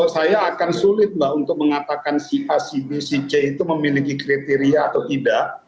saya akan sulit mbak untuk mengatakan si a si b si c itu memiliki kriteria atau tidak